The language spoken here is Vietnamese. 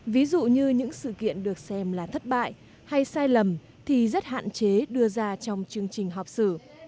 ví dụ như những sự kiện được xem là thất bại hay sai lầm thì rất hạn chế đưa ra trong chương trình họp sử